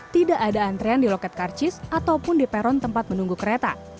tidak ada antrean di loket karcis ataupun di peron tempat menunggu kereta